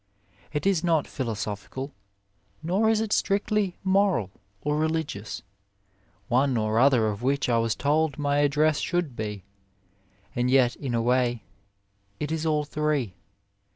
It is not philo sophical, nor is it strictly moral or religious, one or other of which I was told my address should be, and yet in a way it 6 OF LIFE is all three.